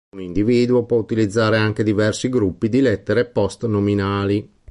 Un individuo può utilizzare anche diversi gruppi di lettere post-nominali.